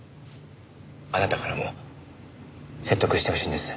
あなたからも説得してほしいんです。